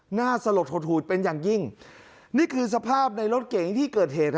สลดหดหูดเป็นอย่างยิ่งนี่คือสภาพในรถเก่งที่เกิดเหตุ